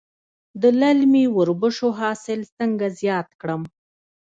د للمي وربشو حاصل څنګه زیات کړم؟